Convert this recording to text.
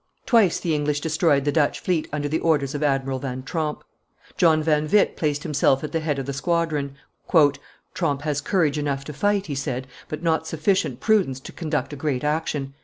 Twice the English destroyed the Dutch fleet under the orders of Admiral van Tromp. John van Witt placed himself at the head of the squadron. "Tromp has courage enough to fight," he said, "but not sufficient prudence to conduct a great action.